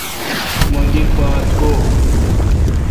مہ دی بات گوئ۔